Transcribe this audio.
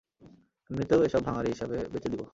এমনিতেও এসব ভাঙ্গারি হিসাবে বেঁচে দিবো।